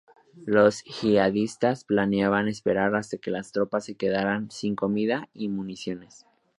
Los yihadistas planeaban esperar hasta que las tropas se quedaran sin comida y municiones.